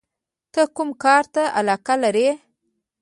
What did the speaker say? ته کوم کار ته علاقه لرې؟